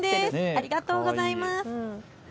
ありがとうございます。